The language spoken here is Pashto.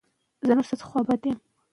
مایعاتو کموالی د تمرکز کمښت رامنځته کوي.